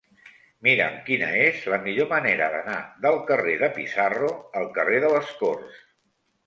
Mira'm quina és la millor manera d'anar del carrer de Pizarro al carrer de les Corts.